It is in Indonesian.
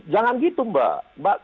jangan begitu mbak